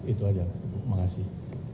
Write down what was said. itu aja terima kasih